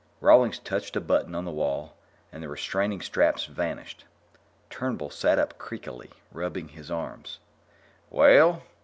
Rawlings touched a button on the wall, and the restraining straps vanished. Turnbull sat up creakily, rubbing his arms. "Well?"